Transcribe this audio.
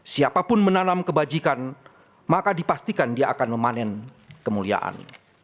siapapun menanam kebajikan maka dipastikan dia akan memanen kemuliaan